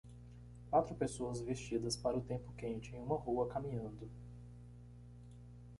Quatro pessoas vestidas para o tempo quente em uma rua caminhando.